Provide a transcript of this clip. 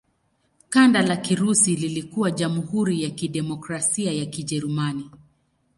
Kanda la Kirusi lilikuwa Jamhuri ya Kidemokrasia ya Kijerumani.